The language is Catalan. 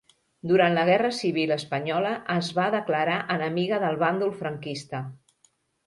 Durant la Guerra Civil Espanyola es va declarar enemiga del bàndol franquista.